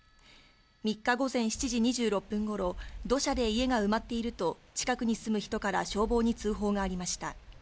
３日午前７時２６分ごろ、土砂で家が埋まっていると近くに住む人から消防に通報がありました。